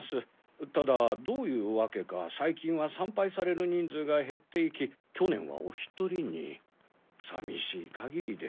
ただどういう訳か最近は参拝される人数が減っていき去年はお１人にさみしい限りです。